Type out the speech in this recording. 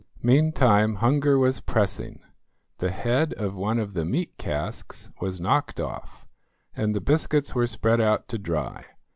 Meantime hunger was pressing; the head of one of the meat casks was knocked off, and the biscuits were spread out to dry.